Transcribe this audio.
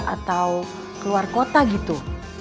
atau keluar kota gitu